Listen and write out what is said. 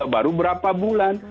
baru berapa bulan